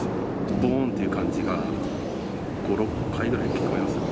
ぼーんっていう感じが５、６回ぐらい聞こえましたかね。